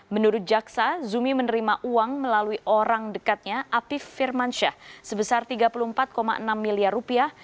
menurut jaksa zumi menerima uang melalui orang dekatnya apif firmansyah sebesar tiga puluh empat enam miliar rupiah